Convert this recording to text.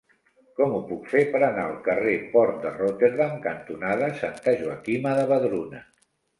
Com ho puc fer per anar al carrer Port de Rotterdam cantonada Santa Joaquima de Vedruna?